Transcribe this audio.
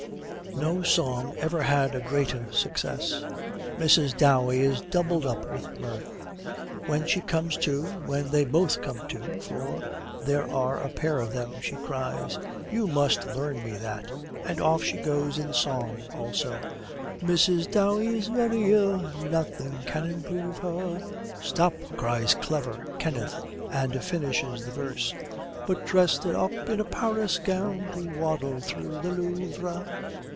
No song ever had a greater success. Mrs. Dowey is doubled up with mirth. When she comes to, when they both come to, for there are a pair of them, she cries: 'You must learn me that,' and off she goes in song also: 'Mrs. Dowey's very ill, Nothing can improve her.' 'Stop!' cries clever Kenneth, and finishes the verse: 'But dressed up in a Paris gown To waddle through the Louvre.'